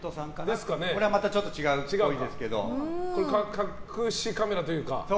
これは隠しカメラというか。